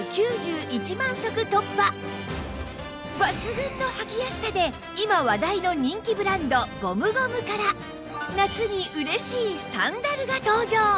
抜群の履きやすさで今話題の人気ブランド Ｇｏｍｕ５６ から夏に嬉しいサンダルが登場！